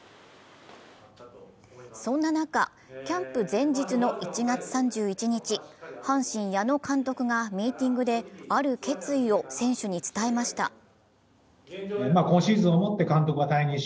そんな中、キャンプ前日の１月３１日、阪神・矢野監督がミーティングである決意を選手に伝えました。